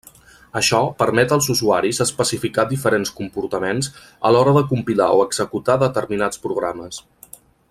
Això permet als usuaris especificar diferents comportaments a l'hora de compilar o executar determinats programes.